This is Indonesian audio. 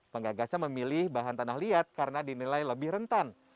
penggagasnya memilih bahan tanah liat karena dinilai lebih rentan